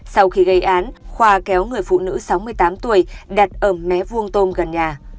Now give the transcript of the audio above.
sau khi gây án khoa kéo người phụ nữ sáu mươi tám tuổi đặt ở mé vuông tôm gần nhà